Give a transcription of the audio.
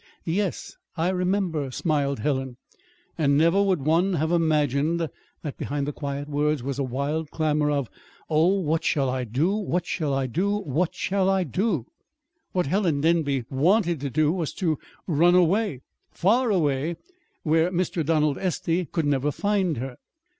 "Yes, I remember," smiled Helen. And never would one have imagined that behind the quiet words was a wild clamor of "Oh, what shall I do what shall I do what shall I do?" What Helen Denby wanted to do was to run away far away, where Mr. Donald Estey could never find her.